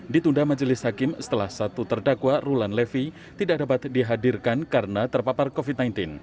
ditunda majelis hakim setelah satu terdakwa rulan levi tidak dapat dihadirkan karena terpapar covid sembilan belas